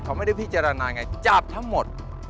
เขาไม่ได้พิจารณาไงจับทั้งหมด